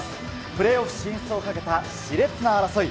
プレーオフ進出をかけたしれつな争い。